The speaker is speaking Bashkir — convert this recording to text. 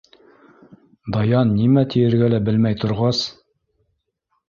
Даян нимә тиергә лә белмәй торғас: